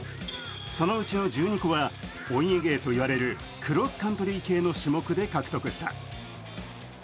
そのうちの１２個はお家芸と言われるクロスカントリー系の種目で獲得した。